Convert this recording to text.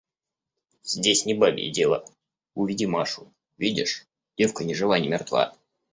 – Здесь не бабье дело; уведи Машу; видишь: девка ни жива ни мертва».